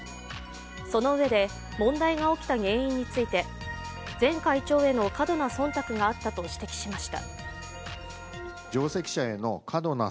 そのうえで問題が起きた原因について、前会長への過度な忖度があったと指摘しました。